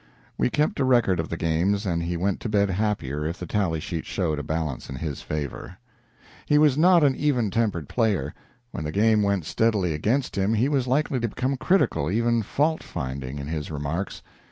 We kept a record of the games, and he went to bed happier if the tally sheet showed a balance in his favor. He was not an even tempered player. When the game went steadily against him he was likely to become critical, even fault finding, in his remarks.